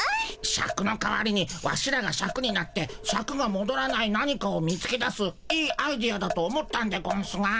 シャクの代わりにワシらがシャクになってシャクがもどらない何かを見つけ出すいいアイデアだと思ったんでゴンスが。